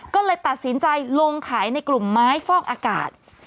ก็เลยตัดสินใจลงขายในกลุ่มไม้ฟอกอากาศ